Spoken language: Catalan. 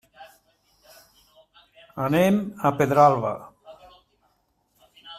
Anem a Pedralba.